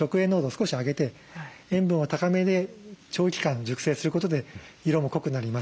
少し上げて塩分を高めで長期間熟成することで色も濃くなります。